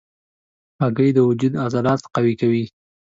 هګۍ د وجود عضلات قوي کوي.